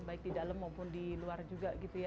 baik di dalam maupun di luar juga gitu ya